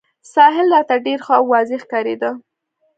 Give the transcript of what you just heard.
ساحل راته ډېر ښه او واضح ښکارېده.